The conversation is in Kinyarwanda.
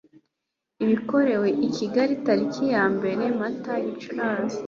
bikorewe i kigali tariki ya mbere mata gicuransi